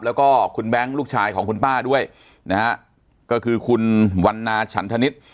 แล้วก็คุณแบงค์ลูกชายของคุณป้าด้วยนะฮะก็คือคุณวันนาฉันธนิษฐ์